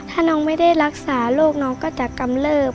ถ้าน้องไม่ได้รักษาโรคน้องก็จะกำเลิบ